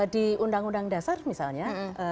di undang undang dasar misalnya